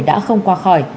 đã không qua khỏi